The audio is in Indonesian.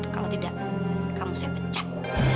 kalau tidak kamu saya pecah